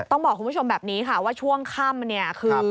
ต้องบอกคุณผู้ชมแบบนี้ค่ะว่าช่วงค่ำเนี่ยคือ